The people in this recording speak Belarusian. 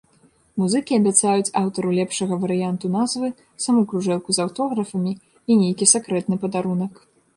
Музыкі абяцаюць аўтару лепшага варыянту назвы саму кружэлку з аўтографамі і нейкі сакрэтны падарунак.